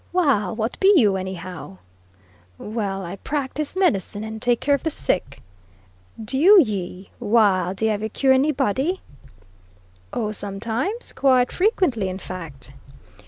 "Waal, what be you, anyhow?" "Well, I practice medicine, and take care of the sick." "Dew ye? Waal, do ye ever cure anybody?" "O, sometimes; quite frequently, in fact."